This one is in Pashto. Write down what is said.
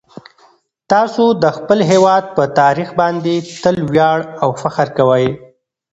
تاسو د خپل هیواد په تاریخ باندې تل ویاړ او فخر کوئ.